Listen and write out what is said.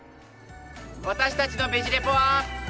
私たちの「ベジ・レポ」は。